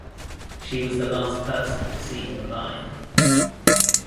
She was the last person to see him alive.